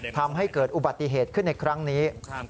ทำให้เกิดอุบัติเหตุขึ้นในครั้งนี้